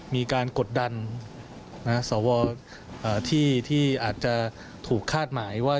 มีการกดดันสอวอที่อาจถูกคาดหมายว่า